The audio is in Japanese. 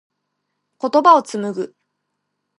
言葉を紡ぐ。